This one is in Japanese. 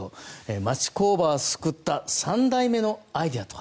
町工場を救った３代目のアイデアとは。